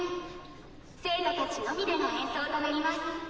生徒たちのみでの演奏となります。